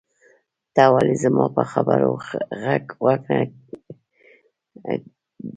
ته ولې زما په خبرو غوږ نه ګروې؟